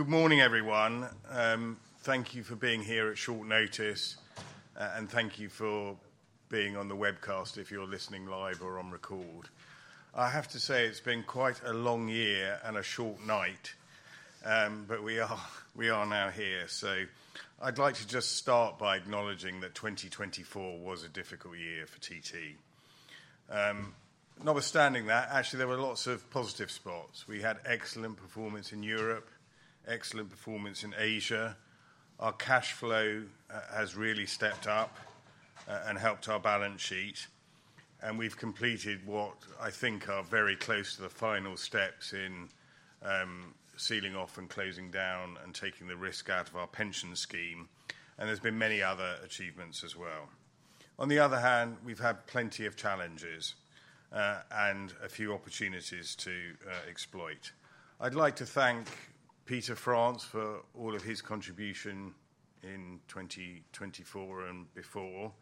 Good morning, everyone. Thank you for being here at short notice, and thank you for being on the webcast if you're listening live or on record. I have to say it's been quite a long year and a short night, but we are now here. I would like to just start by acknowledging that 2024 was a difficult year for TT Electronics. Notwithstanding that, actually, there were lots of positive spots. We had excellent performance in Europe, excellent performance in Asia. Our cash flow has really stepped up and helped our balance sheet. We have completed what I think are very close to the final steps in sealing off and closing down and taking the risk out of our pension scheme. There have been many other achievements as well. On the other hand, we've had plenty of challenges, and a few opportunities to exploit. I'd like to thank Peter France for all of his contribution in 2024 and before.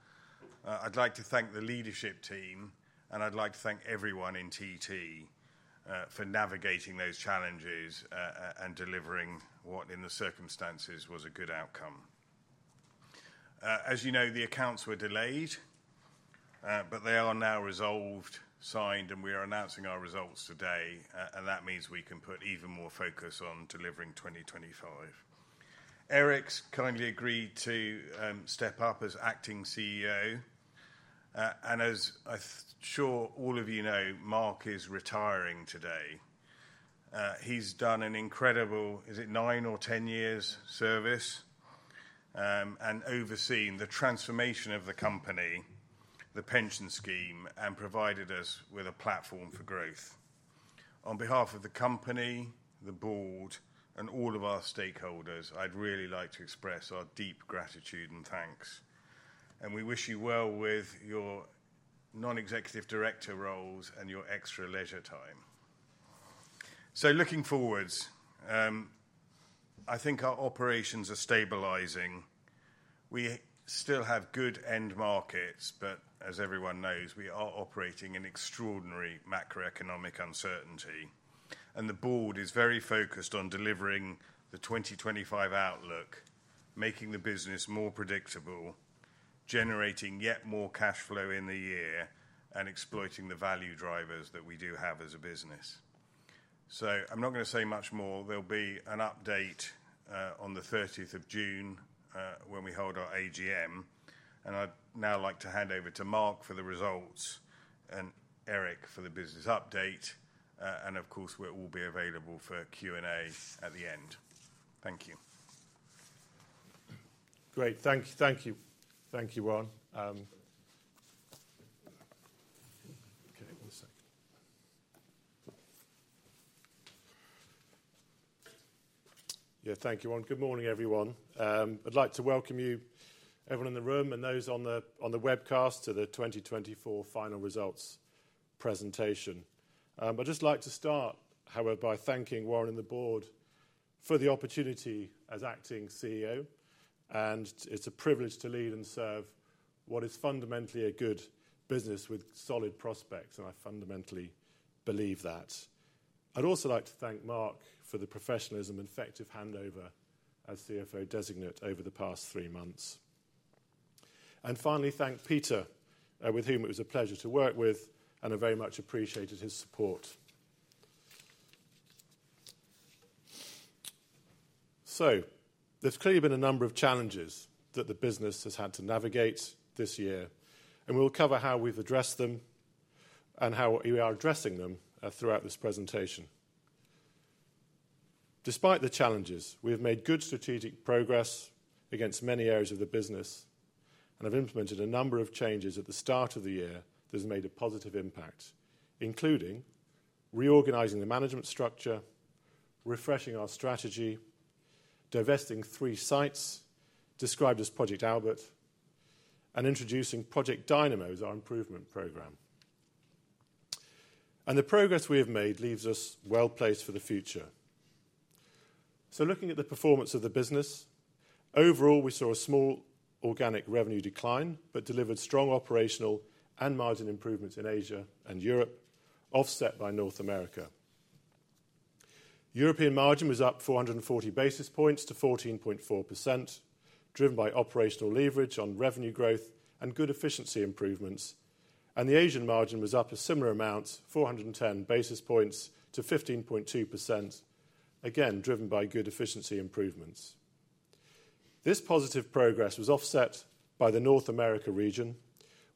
I'd like to thank the leadership team, and I'd like to thank everyone in TT, for navigating those challenges, and delivering what, in the circumstances, was a good outcome. As you know, the accounts were delayed, but they are now resolved, signed, and we are announcing our results today. That means we can put even more focus on delivering 2025. Eric's kindly agreed to step up as acting CEO. As I'm sure all of you know, Mark is retiring today. He's done an incredible, is it 9 or 10 years service, and overseen the transformation of the company, the pension scheme, and provided us with a platform for growth. On behalf of the company, the board, and all of our stakeholders, I'd really like to express our deep gratitude and thanks. We wish you well with your non-executive director roles and your extra leisure time. Looking forwards, I think our operations are stabilizing. We still have good end markets, but as everyone knows, we are operating in extraordinary macroeconomic uncertainty. The board is very focused on delivering the 2025 outlook, making the business more predictable, generating yet more cash flow in the year, and exploiting the value drivers that we do have as a business. I am not going to say much more. There will be an update on the 30th of June, when we hold our AGM. I would now like to hand over to Mark for the results and Eric for the business update. Of course, we will all be available for Q&A at the end. Thank you. Great. Thank you. Thank you. Thank you, Warren. Okay, one second. Yeah, thank you, Warren. Good morning, everyone. I'd like to welcome you, everyone in the room and those on the webcast to the 2024 final results presentation. I'd just like to start, however, by thanking Warren and the board for the opportunity as acting CEO. It is a privilege to lead and serve what is fundamentally a good business with solid prospects, and I fundamentally believe that. I'd also like to thank Mark for the professionalism and effective handover as CFO designate over the past three months. Finally, thank Peter, with whom it was a pleasure to work with and I very much appreciated his support. There has clearly been a number of challenges that the business has had to navigate this year, and we will cover how we have addressed them and how we are addressing them throughout this presentation. Despite the challenges, we have made good strategic progress against many areas of the business and have implemented a number of changes at the start of the year that have made a positive impact, including reorganizing the management structure, refreshing our strategy, divesting three sites described as Project Albert, and introducing Project Dynamo, our improvement program. The progress we have made leaves us well placed for the future. Looking at the performance of the business overall, we saw a small organic revenue decline but delivered strong operational and margin improvements in Asia and Europe, offset by North America. European margin was up 440 basis points to 14.4%, driven by operational leverage on revenue growth and good efficiency improvements. The Asian margin was up a similar amount, 410 basis points to 15.2%, again, driven by good efficiency improvements. This positive progress was offset by the North America region,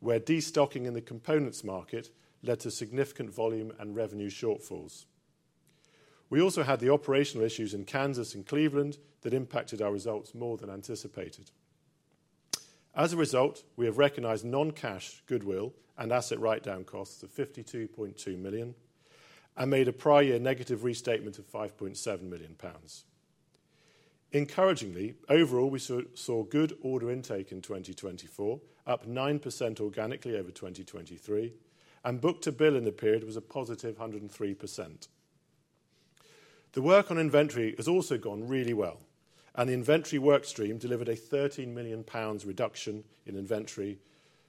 where destocking in the components market led to significant volume and revenue shortfalls. We also had the operational issues in Kansas City and Cleveland that impacted our results more than anticipated. As a result, we have recognized non-cash goodwill and asset write-down costs of 52.2 million and made a prior year negative restatement of 5.7 million pounds. Encouragingly, overall, we saw good order intake in 2024, up 9% organically over 2023, and book to bill in the period was a positive 103%. The work on inventory has also gone really well, and the inventory work stream delivered a GBP 13 million reduction in inventory,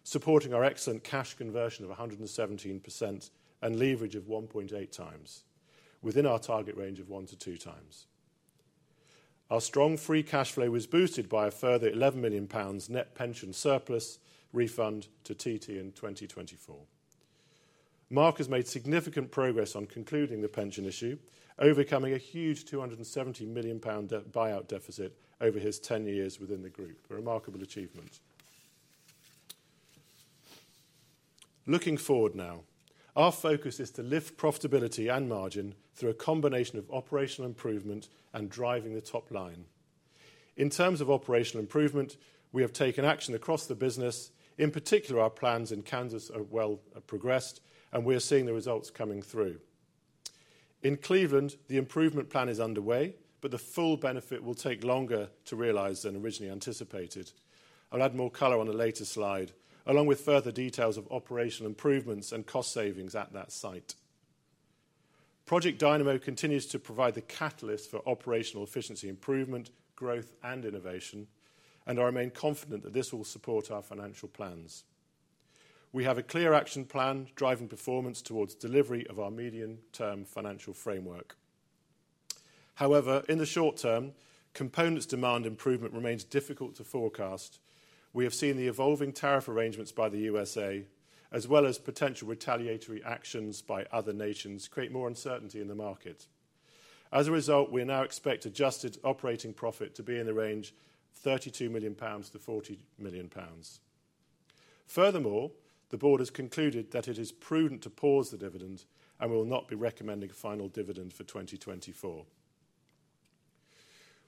supporting our excellent cash conversion of 117% and leverage of 1.8 times, within our target range of 1-2 times. Our strong free cash flow was boosted by a further GBP 11 million net pension surplus refund to TT Electronics in 2024. Mark has made significant progress on concluding the pension issue, overcoming a huge 270 million pound buyout deficit over his 10 years within the group. A remarkable achievement. Looking forward now, our focus is to lift profitability and margin through a combination of operational improvement and driving the top line. In terms of operational improvement, we have taken action across the business. In particular, our plans in Kansas have well progressed, and we are seeing the results coming through. In Cleveland, the improvement plan is underway, but the full benefit will take longer to realize than originally anticipated. I'll add more color on a later slide, along with further details of operational improvements and cost savings at that site. Project Dynamo continues to provide the catalyst for operational efficiency improvement, growth, and innovation, and I remain confident that this will support our financial plans. We have a clear action plan driving performance towards delivery of our medium-term financial framework. However, in the short term, components demand improvement remains difficult to forecast. We have seen the evolving tariff arrangements by the U.S., as well as potential retaliatory actions by other nations create more uncertainty in the market. As a result, we now expect adjusted operating profit to be in the range of 32 million-40 million pounds. Furthermore, the board has concluded that it is prudent to pause the dividend and will not be recommending a final dividend for 2024.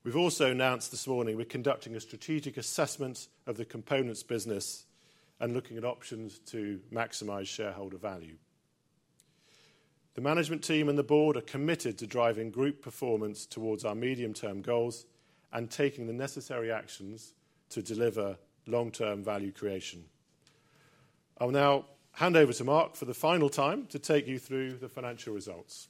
We've also announced this morning we're conducting a strategic assessment of the components business and looking at options to maximize shareholder value. The management team and the board are committed to driving group performance towards our medium-term goals and taking the necessary actions to deliver long-term value creation. I'll now hand over to Mark for the final time to take you through the financial results.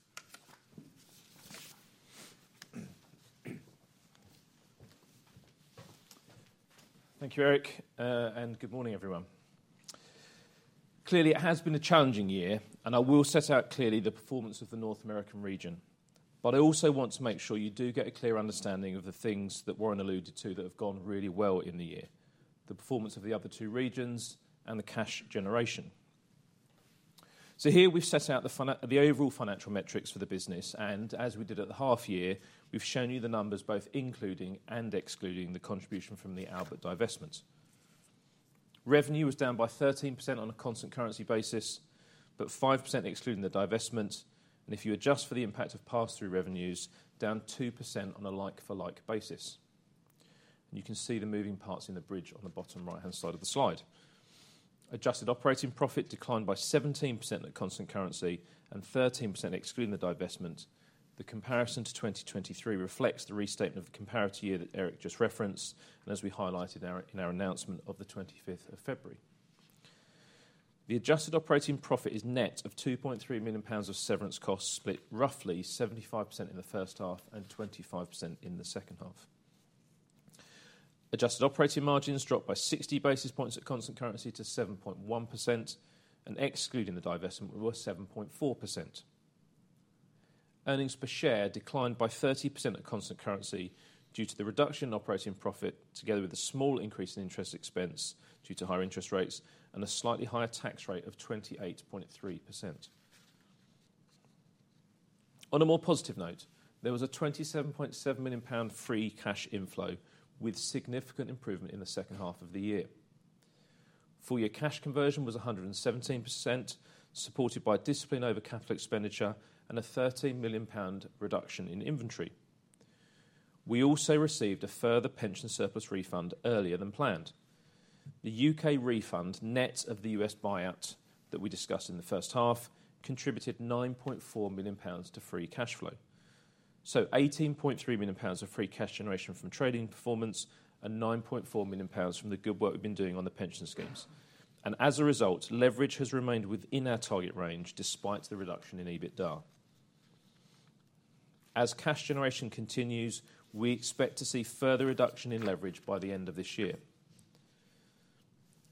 Thank you, Eric, and good morning, everyone. Clearly, it has been a challenging year, and I will set out clearly the performance of the North American region. I also want to make sure you do get a clear understanding of the things that Warren alluded to that have gone really well in the year: the performance of the other two regions and the cash generation. Here we have set out the financial, the overall financial metrics for the business. As we did at the half year, we have shown you the numbers both including and excluding the contribution from the Albert divestment. Revenue was down by 13% on a constant currency basis, but 5% excluding the divestment. If you adjust for the impact of pass-through revenues, down 2% on a like-for-like basis. You can see the moving parts in the bridge on the bottom right-hand side of the slide. Adjusted operating profit declined by 17% at constant currency and 13% excluding the divestment. The comparison to 2023 reflects the restatement of the comparator year that Eric just referenced, and as we highlighted in our announcement of the 25th of February. The adjusted operating profit is net of 2.3 million pounds of severance costs, split roughly 75% in the first half and 25% in the second half. Adjusted operating margins dropped by 60 basis points at constant currency to 7.1%, and excluding the divestment, we were 7.4%. Earnings per share declined by 30% at constant currency due to the reduction in operating profit, together with a small increase in interest expense due to higher interest rates and a slightly higher tax rate of 28.3%. On a more positive note, there was a 27.7 million pound free cash inflow with significant improvement in the second half of the year. Full-year cash conversion was 117%, supported by discipline over capital expenditure and a 13 million pound reduction in inventory. We also received a further pension surplus refund earlier than planned. The U.K. refund net of the U.S. buyout that we discussed in the first half contributed 9.4 million pounds to free cash flow. 18.3 million pounds of free cash generation from trading performance and 9.4 million pounds from the good work we've been doing on the pension schemes. As a result, leverage has remained within our target range despite the reduction in EBITDA. As cash generation continues, we expect to see further reduction in leverage by the end of this year.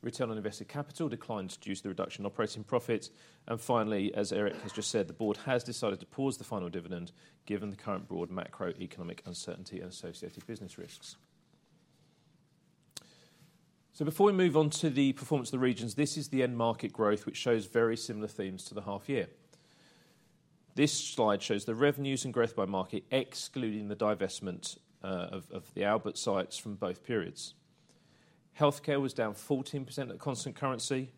Return on invested capital declined to reduce the reduction in operating profit. Finally, as Eric has just said, the board has decided to pause the final dividend given the current broad macroeconomic uncertainty and associated business risks. Before we move on to the performance of the regions, this is the end market growth, which shows very similar themes to the half year. This slide shows the revenues and growth by market, excluding the divestment of the Albert sites from both periods. Healthcare was down 14% at constant currency.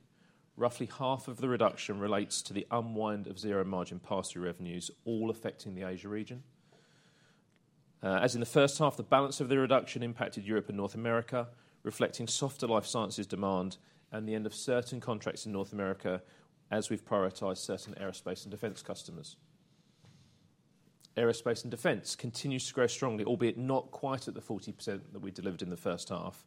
Roughly half of the reduction relates to the unwind of zero margin pass-through revenues, all affecting the Asia region. As in the first half, the balance of the reduction impacted Europe and North America, reflecting softer life sciences demand and the end of certain contracts in North America as we've prioritized certain aerospace and defense customers. Aerospace and defense continues to grow strongly, albeit not quite at the 40% that we delivered in the first half,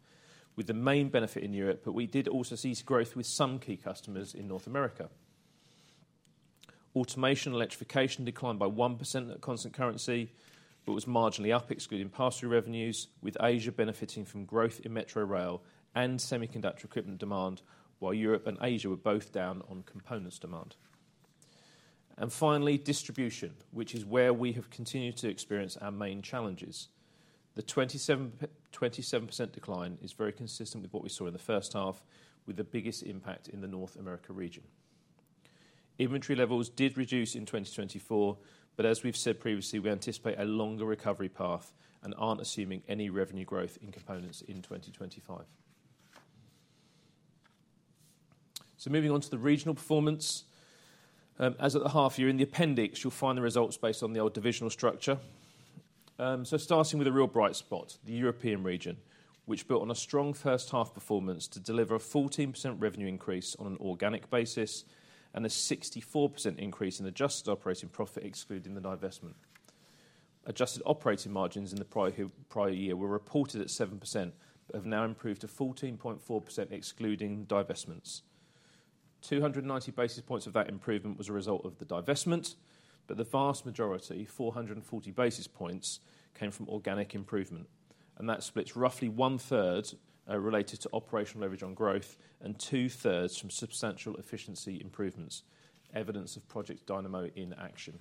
with the main benefit in Europe, but we did also see growth with some key customers in North America. Automation and electrification declined by 1% at constant currency, but was marginally up, excluding pass-through revenues, with Asia benefiting from growth in metro rail and semiconductor equipment demand, while Europe and Asia were both down on components demand. Finally, distribution, which is where we have continued to experience our main challenges. The 27% decline is very consistent with what we saw in the first half, with the biggest impact in the North America region. Inventory levels did reduce in 2024, but as we've said previously, we anticipate a longer recovery path and aren't assuming any revenue growth in components in 2025. Moving on to the regional performance, as of the half year, in the appendix, you'll find the results based on the old divisional structure. Starting with a real bright spot, the European region, which built on a strong first half performance to deliver a 14% revenue increase on an organic basis and a 64% increase in adjusted operating profit, excluding the divestment. Adjusted operating margins in the prior prior year were reported at 7%, but have now improved to 14.4%, excluding divestments. 290 basis points of that improvement was a result of the divestment, but the vast majority, 440 basis points, came from organic improvement. That splits roughly one-third, related to operational leverage on growth and two-thirds from substantial efficiency improvements, evidence of Project Dynamo in action.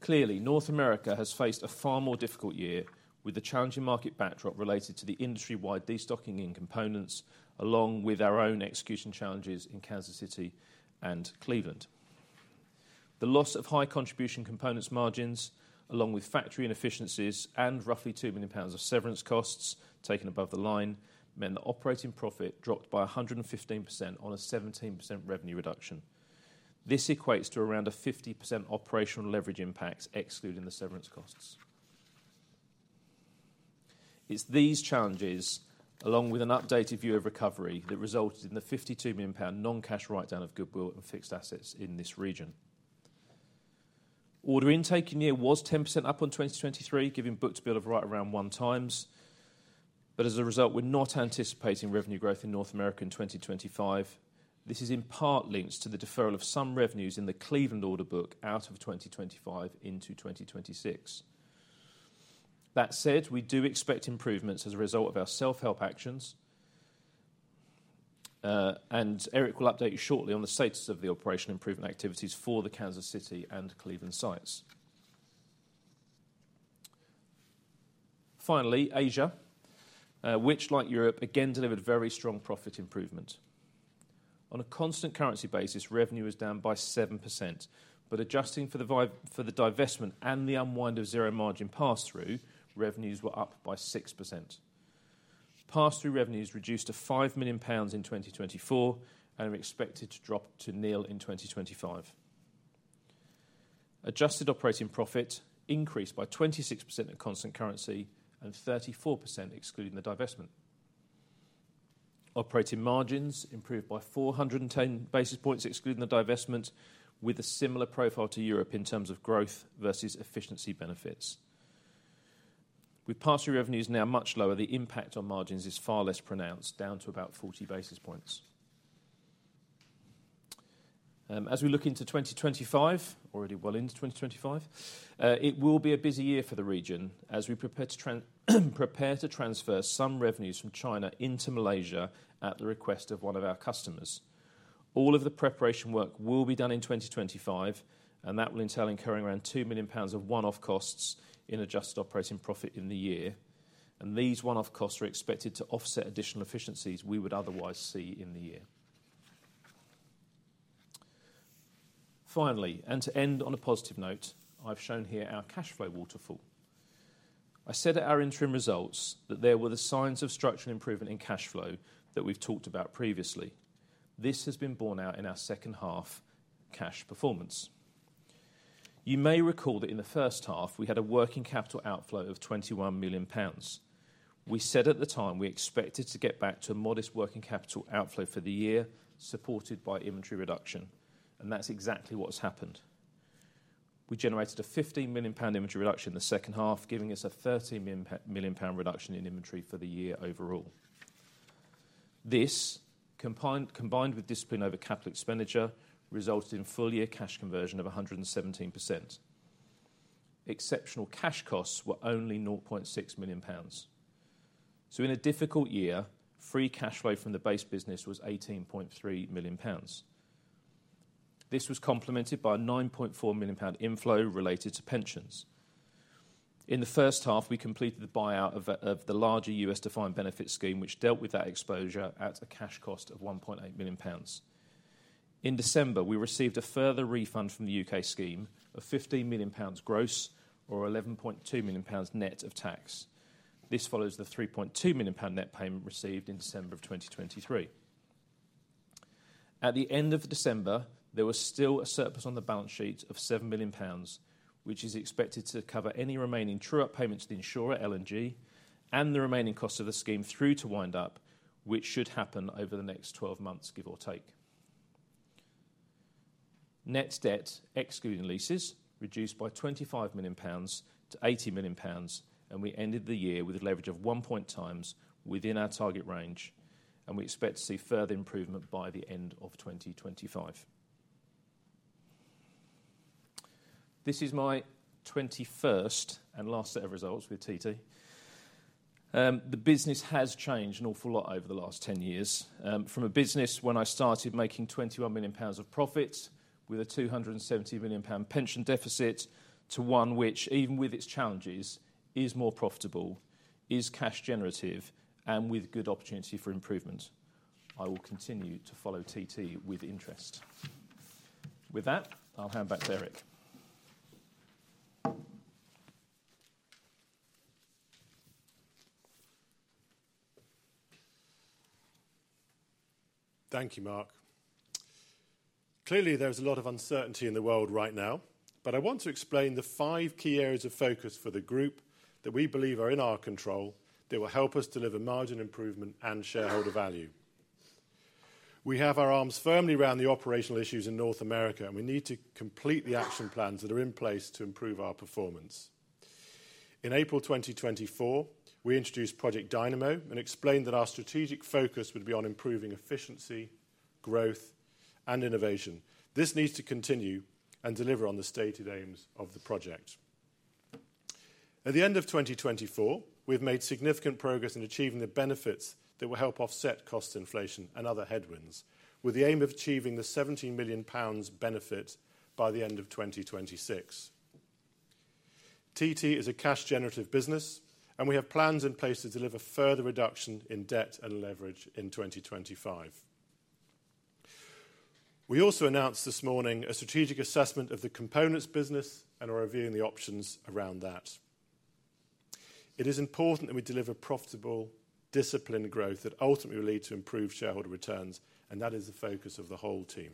Clearly, North America has faced a far more difficult year with the challenging market backdrop related to the industry-wide destocking in components, along with our own execution challenges in Kansas City and Cleveland. The loss of high contribution components margins, along with factory inefficiencies and roughly GBP 2 million of severance costs taken above the line, meant the operating profit dropped by 115% on a 17% revenue reduction. This equates to around a 50% operational leverage impact, excluding the severance costs. It is these challenges, along with an updated view of recovery, that resulted in the 52 million pound non-cash write-down of goodwill and fixed assets in this region. Order intake in year was 10% up on 2023, giving book to bill of right around one times. As a result, we are not anticipating revenue growth in North America in 2025. This is in part linked to the deferral of some revenues in the Cleveland order book out of 2025 into 2026. That said, we do expect improvements as a result of our self-help actions. Eric will update you shortly on the status of the operational improvement activities for the Kansas City and Cleveland sites. Finally, Asia, which, like Europe, again delivered very strong profit improvement. On a constant currency basis, revenue was down by 7%, but adjusting for the divestment and the unwind of zero margin pass-through, revenues were up by 6%. Pass-through revenues reduced to 5 million pounds in 2024 and are expected to drop to nil in 2025. Adjusted operating profit increased by 26% at constant currency and 34%, excluding the divestment. Operating margins improved by 410 basis points, excluding the divestment, with a similar profile to Europe in terms of growth versus efficiency benefits. With pass-through revenues now much lower, the impact on margins is far less pronounced, down to about 40 basis points. As we look into 2025, already well into 2025, it will be a busy year for the region as we prepare to transfer, prepare to transfer some revenues from China into Malaysia at the request of one of our customers. All of the preparation work will be done in 2025, and that will entail incurring around 2 million pounds of one-off costs in adjusted operating profit in the year. These one-off costs are expected to offset additional efficiencies we would otherwise see in the year. Finally, to end on a positive note, I've shown here our cash flow waterfall. I said at our interim results that there were the signs of structural improvement in cash flow that we've talked about previously. This has been borne out in our second half cash performance. You may recall that in the first half, we had a working capital outflow of GBP 21 million. We said at the time we expected to get back to a modest working capital outflow for the year, supported by inventory reduction. That is exactly what has happened. We generated a 15 million pound inventory reduction in the second half, giving us a 13 million pound reduction in inventory for the year overall. This, combined with discipline over capital expenditure, resulted in full-year cash conversion of 117%. Exceptional cash costs were only 0.6 million pounds. In a difficult year, free cash flow from the base business was 18.3 million pounds. This was complemented by a 9.4 million pound inflow related to pensions. In the first half, we completed the buyout of the larger U.S. defined benefit scheme, which dealt with that exposure at a cash cost of 1.8 million pounds. In December, we received a further refund from the U.K. scheme of 15 million pounds gross or 11.2 million pounds net of tax. This follows the 3.2 million pound net payment received in December of 2023. At the end of December, there was still a surplus on the balance sheet of 7 million pounds, which is expected to cover any remaining true-up payments to the insurer, Legal & General, and the remaining costs of the scheme through to wind up, which should happen over the next 12 months, give or take. Net debt, excluding leases, reduced by 25 million pounds to 80 million pounds, and we ended the year with a leverage of 1.0x within our target range, and we expect to see further improvement by the end of 2025. This is my 21st and last set of results with TT. The business has changed an awful lot over the last 10 years. From a business when I started making 21 million pounds of profit with a 270 million pound pension deficit to one which, even with its challenges, is more profitable, is cash generative, and with good opportunity for improvement, I will continue to follow TT with interest. With that, I'll hand back to Eric. Thank you, Mark. Clearly, there's a lot of uncertainty in the world right now, but I want to explain the five key areas of focus for the group that we believe are in our control that will help us deliver margin improvement and shareholder value. We have our arms firmly around the operational issues in North America, and we need to complete the action plans that are in place to improve our performance. In April 2024, we introduced Project Dynamo and explained that our strategic focus would be on improving efficiency, growth, and innovation. This needs to continue and deliver on the stated aims of the project. At the end of 2024, we've made significant progress in achieving the benefits that will help offset cost inflation and other headwinds, with the aim of achieving the 17 million pounds benefit by the end of 2026. TT is a cash generative business, and we have plans in place to deliver further reduction in debt and leverage in 2025. We also announced this morning a strategic assessment of the components business and are reviewing the options around that. It is important that we deliver profitable, disciplined growth that ultimately will lead to improved shareholder returns, and that is the focus of the whole team.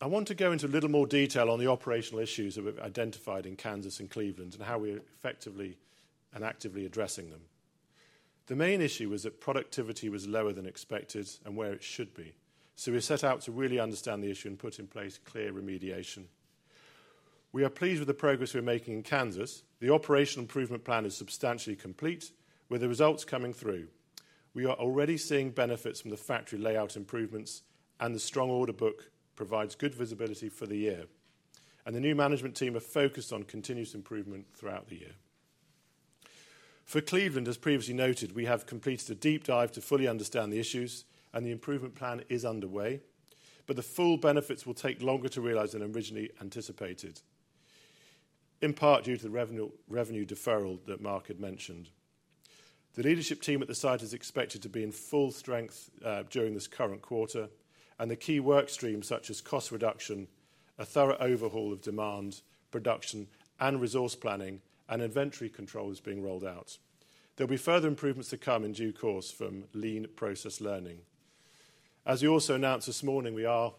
I want to go into a little more detail on the operational issues that we've identified in Kansas and Cleveland and how we're effectively and actively addressing them. The main issue was that productivity was lower than expected and where it should be. We set out to really understand the issue and put in place clear remediation. We are pleased with the progress we're making in Kansas. The operational improvement plan is substantially complete, with the results coming through. We are already seeing benefits from the factory layout improvements, and the strong order book provides good visibility for the year. The new management team are focused on continuous improvement throughout the year. For Cleveland, as previously noted, we have completed a deep dive to fully understand the issues, and the improvement plan is underway, but the full benefits will take longer to realize than originally anticipated, in part due to the revenue deferral that Mark had mentioned. The leadership team at the site is expected to be in full strength during this current quarter, and the key work streams such as cost reduction, a thorough overhaul of demand, production, and resource planning, and inventory control is being rolled out. There will be further improvements to come in due course from lean process learning. As you also announced this morning, we are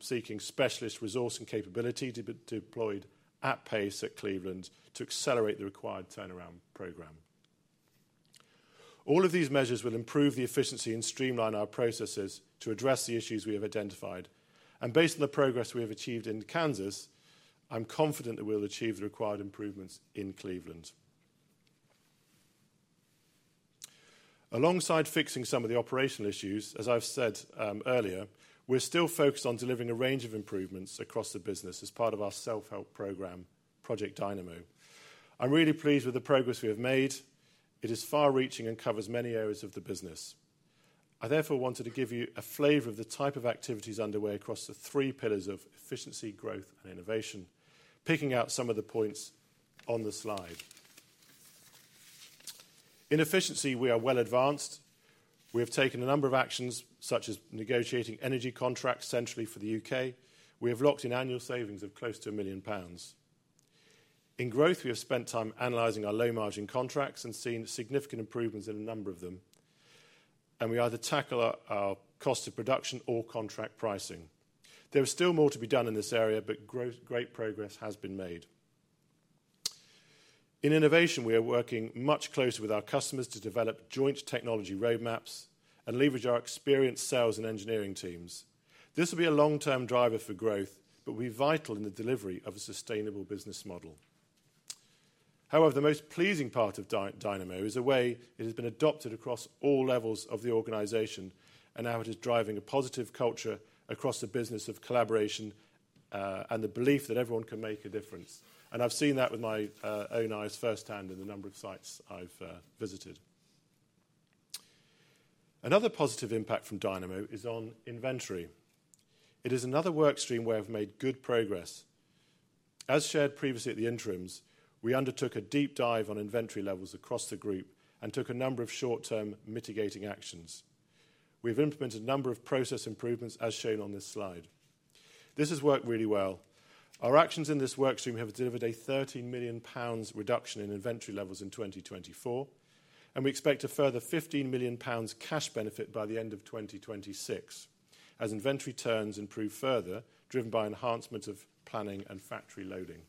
seeking specialist resource and capability to be deployed at pace at Cleveland to accelerate the required turnaround program. All of these measures will improve the efficiency and streamline our processes to address the issues we have identified. Based on the progress we have achieved in Kansas, I'm confident that we'll achieve the required improvements in Cleveland. Alongside fixing some of the operational issues, as I've said earlier, we're still focused on delivering a range of improvements across the business as part of our self-help program, Project Dynamo. I'm really pleased with the progress we have made. It is far-reaching and covers many areas of the business. I therefore wanted to give you a flavor of the type of activities underway across the three pillars of efficiency, growth, and innovation, picking out some of the points on the slide. In efficiency, we are well advanced. We have taken a number of actions, such as negotiating energy contracts centrally for the U.K. We have locked in annual savings of close to 1 million pounds. In growth, we have spent time analyzing our low-margin contracts and seen significant improvements in a number of them. We either tackle our cost of production or contract pricing. There is still more to be done in this area, but great progress has been made. In innovation, we are working much closer with our customers to develop joint technology roadmaps and leverage our experienced sales and engineering teams. This will be a long-term driver for growth, but will be vital in the delivery of a sustainable business model. However, the most pleasing part of Dynamo is the way it has been adopted across all levels of the organization and how it is driving a positive culture across the business of collaboration, and the belief that everyone can make a difference. I have seen that with my own eyes firsthand in the number of sites I have visited. Another positive impact from Dynamo is on inventory. It is another work stream where we have made good progress. As shared previously at the interims, we undertook a deep dive on inventory levels across the group and took a number of short-term mitigating actions. We have implemented a number of process improvements, as shown on this slide. This has worked really well. Our actions in this work stream have delivered a GBP 13 million reduction in inventory levels in 2024, and we expect a further GBP 15 million cash benefit by the end of 2026, as inventory turns improve further, driven by enhancements of planning and factory loading.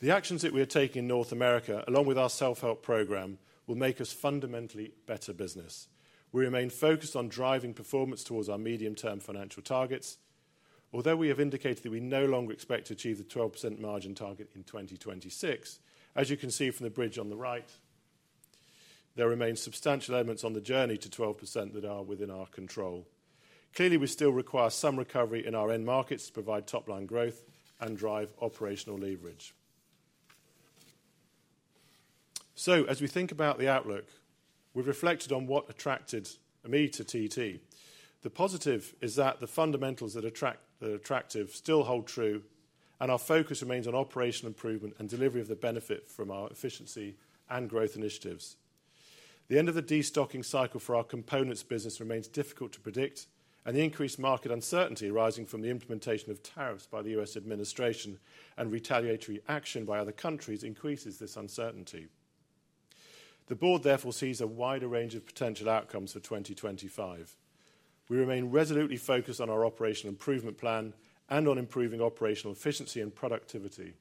The actions that we are taking in North America, along with our self-help program, will make us fundamentally better business. We remain focused on driving performance towards our medium-term financial targets. Although we have indicated that we no longer expect to achieve the 12% margin target in 2026, as you can see from the bridge on the right, there remain substantial elements on the journey to 12% that are within our control. Clearly, we still require some recovery in our end markets to provide top-line growth and drive operational leverage. As we think about the outlook, we've reflected on what attracted me to TT. The positive is that the fundamentals that are attractive still hold true, and our focus remains on operational improvement and delivery of the benefit from our efficiency and growth initiatives. The end of the destocking cycle for our components business remains difficult to predict, and the increased market uncertainty arising from the implementation of tariffs by the U.S. administration and retaliatory action by other countries increases this uncertainty. The board therefore sees a wider range of potential outcomes for 2025. We remain resolutely focused on our operational improvement plan and on improving operational efficiency and productivity.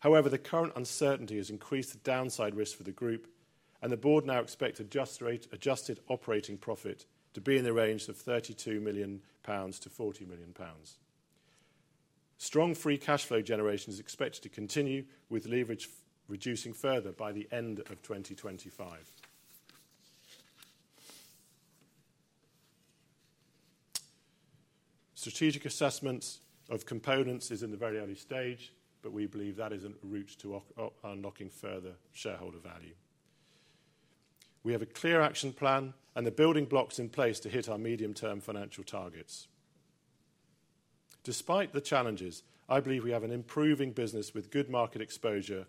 However, the current uncertainty has increased the downside risk for the group, and the board now expects adjusted operating profit to be in the range of 32 million-40 million pounds. Strong free cash flow generation is expected to continue, with leverage reducing further by the end of 2025. Strategic assessments of components are in the very early stage, but we believe that is a route to unlocking further shareholder value. We have a clear action plan and the building blocks in place to hit our medium-term financial targets. Despite the challenges, I believe we have an improving business with good market exposure,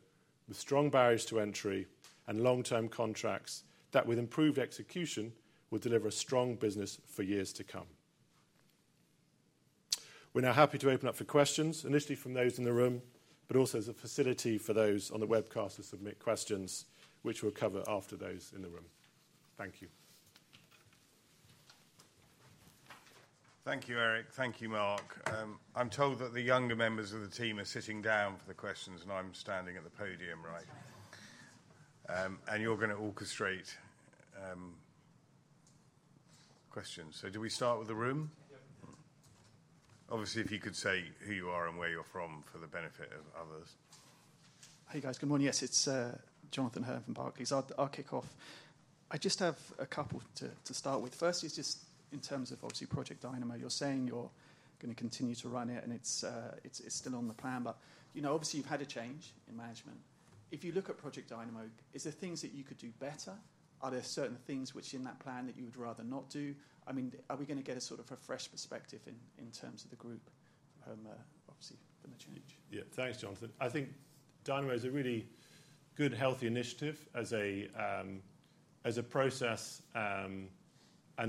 with strong barriers to entry and long-term contracts that, with improved execution, will deliver a strong business for years to come. We're now happy to open up for questions, initially from those in the room, but also as a facility for those on the webcast to submit questions, which we'll cover after those in the room. Thank you. Thank you, Eric. Thank you, Mark. I'm told that the younger members of the team are sitting down for the questions, and I'm standing at the podium, right? And you're gonna orchestrate questions. Do we start with the room? Yep. Obviously, if you could say who you are and where you're from for the benefit of others. Hey guys, good morning. Yes, it's Jonathan Hurn from Barclays. I'll kick off. I just have a couple to start with. First is just in terms of obviously Project Dynamo. You're saying you're gonna continue to run it, and it's still on the plan, but you know, obviously you've had a change in management. If you look at Project Dynamo, are there things that you could do better? Are there certain things which are in that plan that you would rather not do? I mean, are we gonna get a sort of a fresh perspective in terms of the group when, obviously from the change? Yeah, thanks, Jonathan. I think Dynamo is a really good, healthy initiative as a process and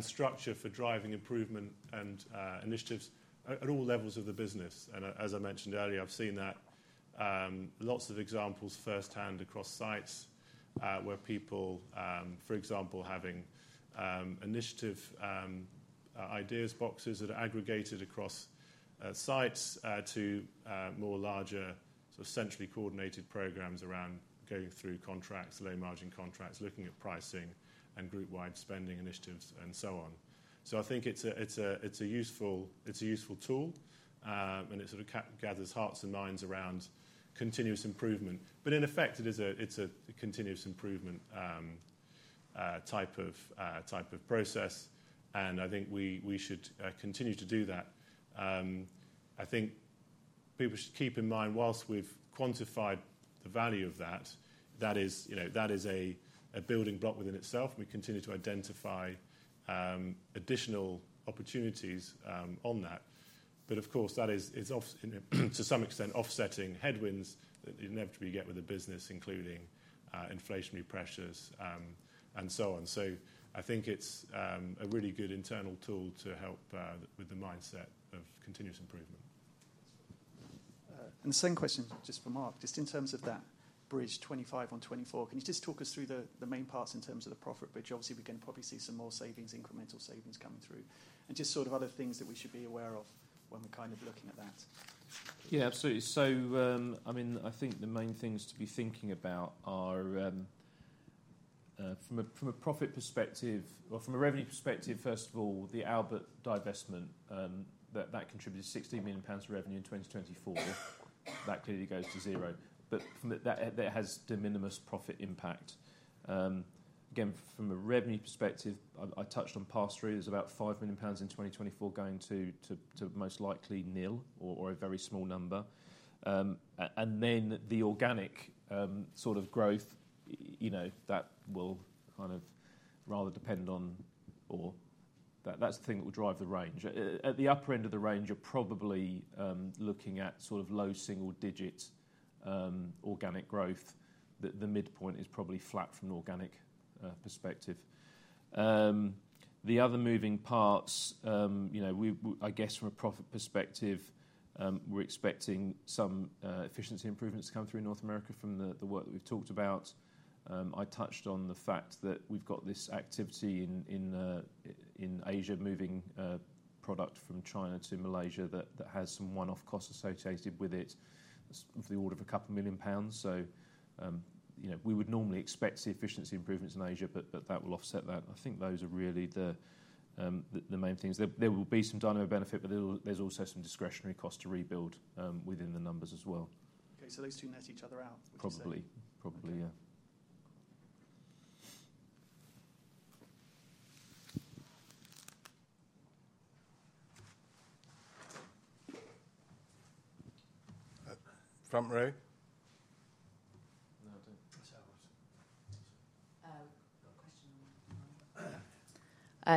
structure for driving improvement and initiatives at all levels of the business. As I mentioned earlier, I've seen that, lots of examples firsthand across sites, where people, for example, having initiative ideas boxes that are aggregated across sites, to more larger sort of centrally coordinated programs around going through contracts, low-margin contracts, looking at pricing and group-wide spending initiatives and so on. I think it's a useful tool, and it sort of gathers hearts and minds around continuous improvement. In effect, it is a continuous improvement type of process. I think we should continue to do that. I think people should keep in mind whilst we've quantified the value of that, that is, you know, that is a building block within itself. We continue to identify additional opportunities on that. Of course, that is, it's to some extent offsetting headwinds that inevitably you get with the business, including inflationary pressures and so on. I think it's a really good internal tool to help with the mindset of continuous improvement. The same question just for Mark, just in terms of that bridge 25 on 24, can you just talk us through the main parts in terms of the profit bridge? Obviously, we can probably see some more savings, incremental savings coming through, and just sort of other things that we should be aware of when we're kind of looking at that. Yeah, absolutely. I mean, I think the main things to be thinking about are, from a profit perspective or from a revenue perspective, first of all, the Albert divestment, that contributed 16 million pounds to revenue in 2024, that clearly goes to zero. From that, that has de minimis profit impact. Again, from a revenue perspective, I touched on past three, there's about 5 million pounds in 2024 going to most likely nil or a very small number. And then the organic, sort of growth, you know, that will kind of rather depend on, or that's the thing that will drive the range. At the upper end of the range, you're probably looking at sort of low single digit organic growth. The midpoint is probably flat from an organic perspective. The other moving parts, you know, we, I guess from a profit perspective, we're expecting some efficiency improvements to come through in North America from the work that we've talked about. I touched on the fact that we've got this activity in Asia moving product from China to Malaysia that has some one-off costs associated with it of the order of a couple million GBP. You know, we would normally expect the efficiency improvements in Asia, but that will offset that. I think those are really the main things. There will be some Dynamo benefit, but there's also some discretionary cost to rebuild within the numbers as well. Okay. Those two net each other out? which is probably, probably, yeah. Front row. No, I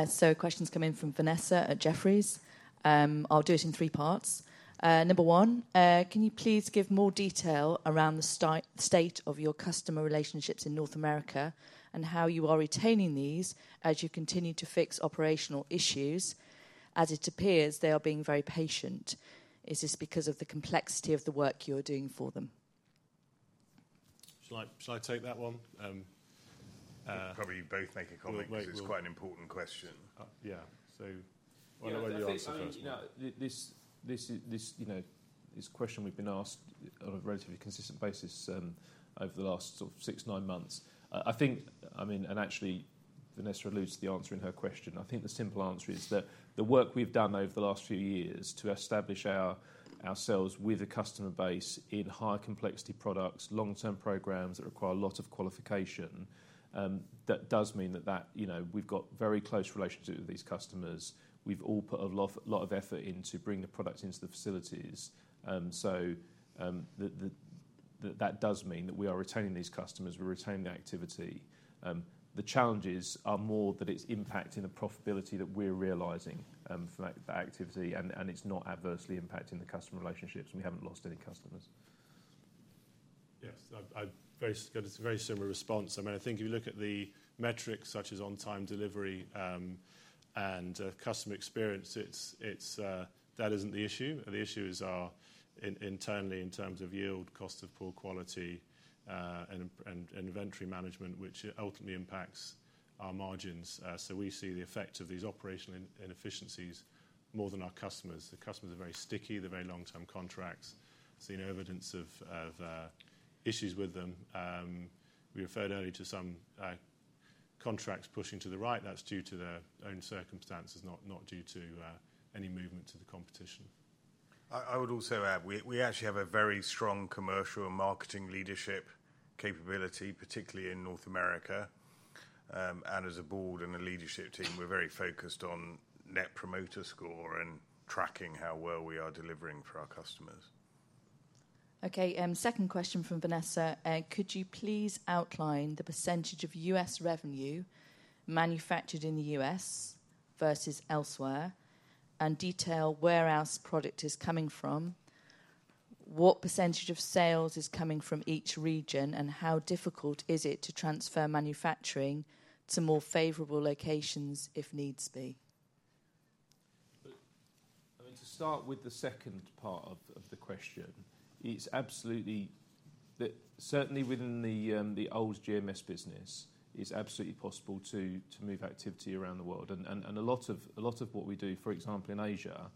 don't. So questions come in from Vanessa at Jefferies. I'll do it in three parts. Number one, can you please give more detail around the state of your customer relationships in North America and how you are retaining these as you continue to fix operational issues? As it appears, they are being very patient. Is this because of the complexity of the work you are doing for them? Should I, should I take that one? Probably you both make a comment. It's quite an important question. Yeah. I'll answer first. No, this, this is, this, you know, this question we've been asked on a relatively consistent basis over the last sort of six, nine months. I think, I mean, and actually Vanessa alludes to the answer in her question. I think the simple answer is that the work we've done over the last few years to establish ourselves with a customer base in high complexity products, long-term programs that require a lot of qualification, that does mean that, you know, we've got very close relationships with these customers. We've all put a lot, a lot of effort into bringing the products into the facilities. That does mean that we are retaining these customers. We retain the activity. The challenges are more that it's impacting the profitability that we're realizing from that activity. And it's not adversely impacting the customer relationships. We haven't lost any customers. Yes. I, I very good. It's a very similar response. I mean, I think if you look at the metrics such as on-time delivery, and customer experience, it's, it's, that isn't the issue. The issue is our, internally in terms of yield, cost of poor quality, and inventory management, which ultimately impacts our margins. We see the effect of these operational inefficiencies more than our customers. The customers are very sticky. They're very long-term contracts. Seen evidence of issues with them. We referred earlier to some contracts pushing to the right. That's due to their own circumstances, not due to any movement to the competition. I would also add we actually have a very strong commercial and marketing leadership capability, particularly in North America. As a board and a leadership team, we're very focused on net promoter score and tracking how well we are delivering for our customers. Okay. Second question from Vanessa. Could you please outline the percentage of US revenue manufactured in the US versus elsewhere and detail where our product is coming from, what percentage of sales is coming from each region, and how difficult is it to transfer manufacturing to more favorable locations if needs be? I mean, to start with the second part of the question, it's absolutely that certainly within the old GMS business, it's absolutely possible to move activity around the world. A lot of what we do, for example, in Asia,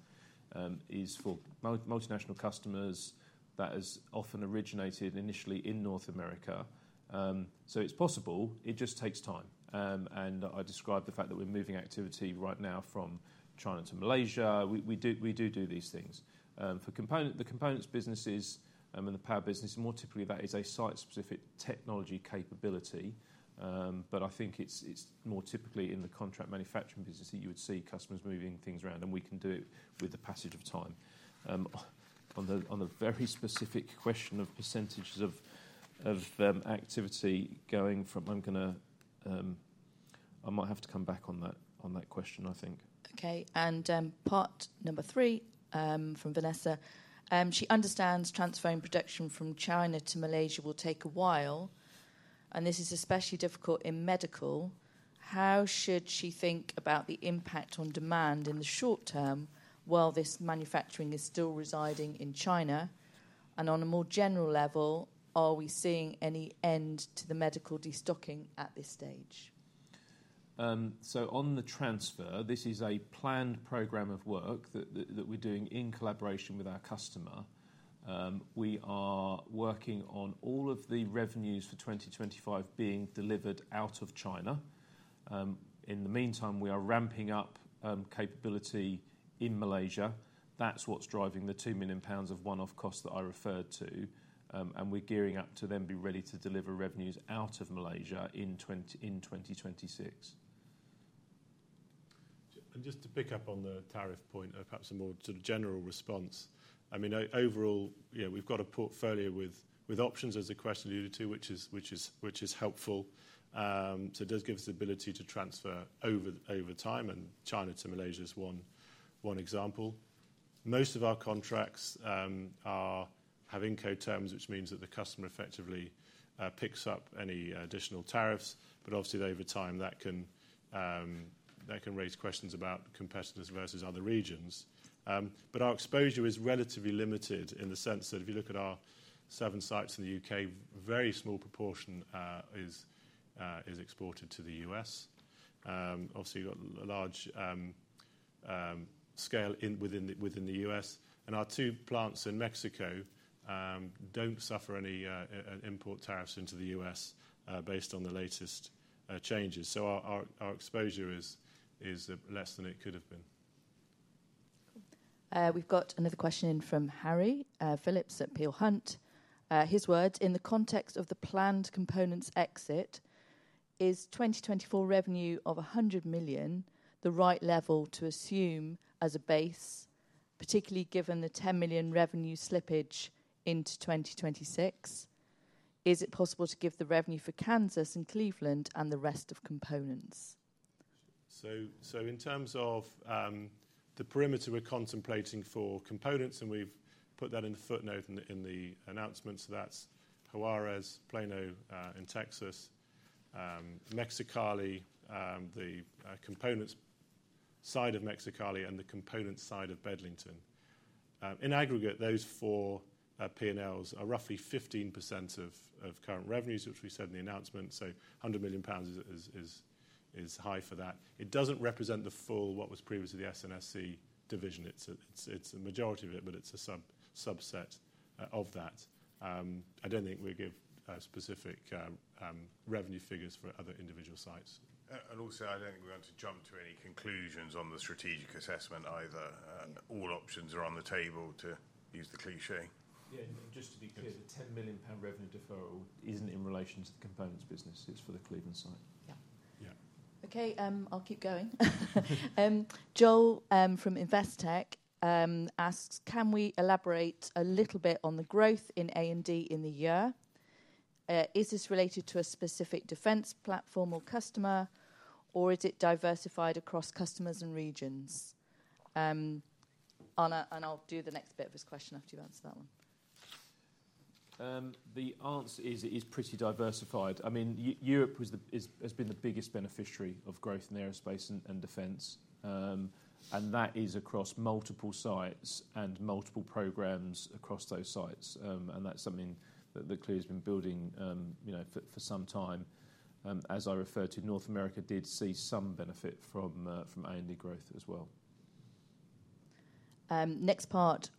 is for multinational customers that has often originated initially in North America. It is possible. It just takes time. I described the fact that we're moving activity right now from China to Malaysia. We do do these things. For component, the components businesses, and the power business, more typically that is a site-specific technology capability. I think it's more typically in the contract manufacturing business that you would see customers moving things around, and we can do it with the passage of time. On the very specific question of percentages of activity going from, I'm gonna, I might have to come back on that, on that question, I think. Okay. Part number three, from Vanessa. She understands transferring production from China to Malaysia will take a while, and this is especially difficult in medical. How should she think about the impact on demand in the short term while this manufacturing is still residing in China? On a more general level, are we seeing any end to the medical destocking at this stage? On the transfer, this is a planned program of work that we are doing in collaboration with our customer. We are working on all of the revenues for 2025 being delivered out of China. In the meantime, we are ramping up capability in Malaysia. That is what is driving the 2 million pounds of one-off cost that I referred to. We are gearing up to then be ready to deliver revenues out of Malaysia in 2026. Just to pick up on the tariff point, perhaps a more sort of general response. I mean, overall, you know, we have got a portfolio with options as the question led to, which is helpful. It does give us the ability to transfer over time. China to Malaysia is one example. Most of our contracts have Inco terms, which means that the customer effectively picks up any additional tariffs. Obviously, over time, that can raise questions about competitors versus other regions. Our exposure is relatively limited in the sense that if you look at our seven sites in the U.K., a very small proportion is exported to the U.S. Obviously, you've got a large scale within the U.S. And our two plants in Mexico do not suffer any import tariffs into the U.S. based on the latest changes. Our exposure is less than it could have been. We've got another question in from Harry Phillips at Peel Hunt. His words in the context of the planned components exit. Is 2024 revenue of 100 million the right level to assume as a base, particularly given the 10 million revenue slippage into 2026? Is it possible to give the revenue for Kansas and Cleveland and the rest of components? In terms of the perimeter we're contemplating for components, and we've put that in the footnote in the announcements. That is Juarez, Plano in Texas, Mexicali, the components side of Mexicali, and the components side of Bedlington. In aggregate, those four P&Ls are roughly 15% of current revenues, which we said in the announcement. So 100 million pounds is high for that. It does not represent the full, what was previously the SNSC division. It is a majority of it, but it is a subset of that. I don't think we'll give specific revenue figures for other individual sites. Also, I don't think we want to jump to any conclusions on the strategic assessment either. All options are on the table, to use the cliché. Yeah. Just to be clear, the 10 million pound revenue deferral isn't in relation to the components business. It's for the Cleveland site. Yeah. Yeah. Okay. I'll keep going. Joel from Investec asks, Can we elaborate a little bit on the growth in A and D in the year? Is this related to a specific defense platform or customer, or is it diversified across customers and regions? On a, and I'll do the next bit of this question after you've answered that one. The answer is, it is pretty diversified. I mean, Europe was the, is, has been the biggest beneficiary of growth in aerospace and defense. That is across multiple sites and multiple programs across those sites. That's something that clearly has been building, you know, for some time. As I referred to, North America did see some benefit from A and D growth as well. Next part,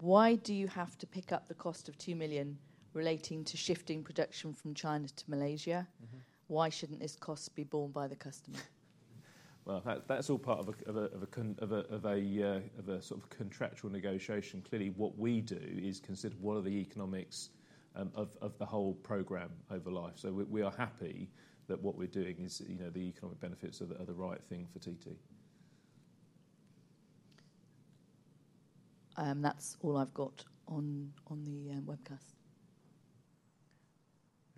why do you have to pick up the cost of 2 million relating to shifting production from China to Malaysia? Why shouldn't this cost be borne by the customer? That is all part of a sort of contractual negotiation. Clearly, what we do is consider what are the economics of the whole program over life. We are happy that what we're doing is, you know, the economic benefits are the right thing for TT. That's all I've got on the webcast.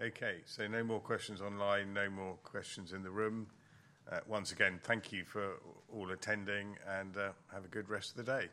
Okay. No more questions online. No more questions in the room. Once again, thank you for all attending and have a good rest of the day.